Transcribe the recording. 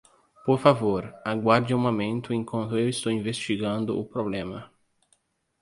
Por favor, aguarde um momento enquanto eu estou investigando o problema.